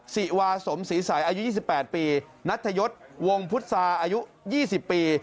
สิวาสมศรีสัยอายุ๒๘ปีนัทยศวงพุทธศาสตร์อายุ๒๐ปี